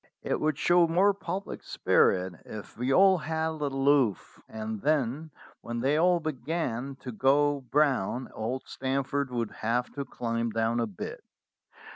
It would show more public spirit if we all held aloof, and then, when they all began to go brown, old Stan forth would have to climb down a bit.